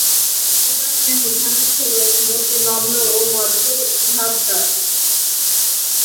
সর্বদাই যেন ধ্যানস্থ রয়েছেন, অতি নম্র ও মধুরস্বভাব।